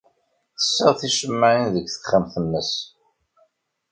Tessaɣ ticemmaɛin deg texxamt-nnes.